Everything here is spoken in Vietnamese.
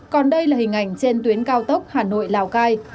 còn đây là hình ảnh trên tuyến cao tốc hà nội lào cai